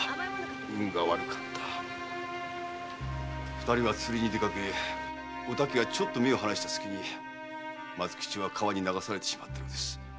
二人は釣りに出かけお竹がちょっと目を離したすきに松吉は川に流されてしまったのです。